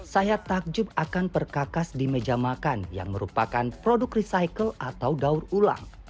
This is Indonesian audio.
saya takjub akan perkakas di meja makan yang merupakan produk recycle atau daur ulang